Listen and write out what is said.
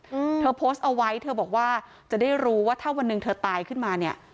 อืมเธอโพสต์เอาไว้เธอบอกว่าจะได้รู้ว่าถ้าวันหนึ่งเธอตายขึ้นมาเนี้ย